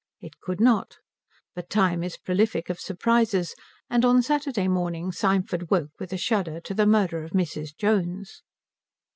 It could not. But Time is prolific of surprises; and on Saturday morning Symford woke with a shudder to the murder of Mrs. Jones.